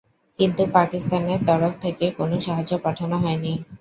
কিন্তু পাকিস্তানের তরফ থেকে কোন সাহায্য পাঠানো হয়নি।